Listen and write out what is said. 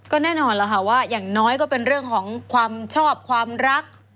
ก็แน่นอนแล้วค่ะว่าอย่างน้อยก็เป็นเรื่องของความชอบความรัก